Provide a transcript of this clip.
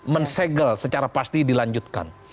men segel secara pasti dilanjutkan